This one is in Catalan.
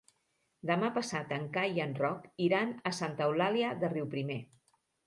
Demà passat en Cai i en Roc iran a Santa Eulàlia de Riuprimer.